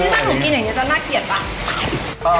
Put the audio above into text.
ข้าวเช่นขต้อยกินข้าวเช่นขต้วยเยอะ